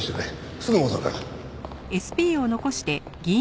すぐ戻るから。